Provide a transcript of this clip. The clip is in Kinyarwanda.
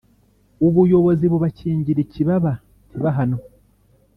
ubuyobozi bubakingira ikibaba ntibahanwe